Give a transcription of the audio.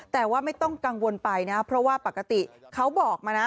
แต่ว่าไม่ต้องกังวลไปนะเพราะว่าปกติเขาบอกมานะ